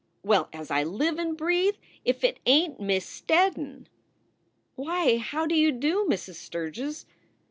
"Well, as I live and breathe! If it ain t Miss Steddon!" "Why, how do you do, Mrs. Sturgs!"